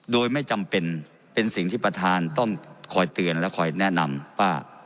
โดยไม่จำเป็นเป็นสิ่งที่ประธานต้องคอยเตือนและคอยแนะนำว่า